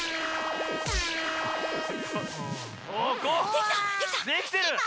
できたできた。